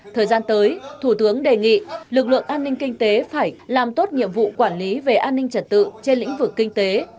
thời gian tới thủ tướng đề nghị lực lượng an ninh kinh tế phải làm tốt nhiệm vụ quản lý về an ninh trật tự trên lĩnh vực kinh tế